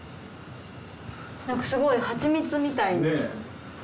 なんかすごいハチミツみたいに。